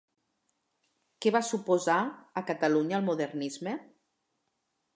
Què va suposar a Catalunya el modernisme?